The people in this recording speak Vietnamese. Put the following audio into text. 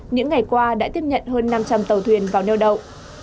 những ngày qua đã tiếp nhận hơn năm trăm linh tàu thuyền vào neo đậu